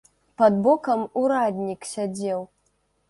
Пад бокам ураднік сядзеў.